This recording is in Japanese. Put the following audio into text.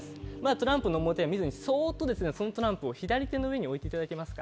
トランプの表は見ずにそっとそのトランプを左手の上に置いていただけますか？